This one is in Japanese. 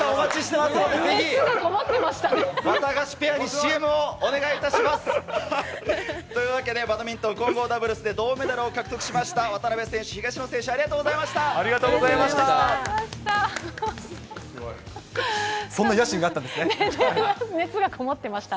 わたがしペアにＣＭをください。というわけで、バドミントン混合ダブルスで銅メダルを獲得しました渡辺選手、東野選手、ありがとありがとうございました。